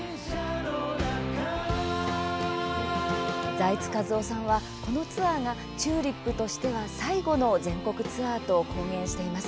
財津和夫さんは、このツアーがＴＵＬＩＰとしては最後の全国ツアーと公言しています。